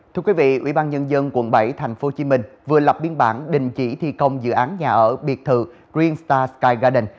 thưa quý vị ủy ban nhân dân quận bảy tp hcm vừa lập biên bản đình chỉ thi công dự án nhà ở biệt thự green star sky garden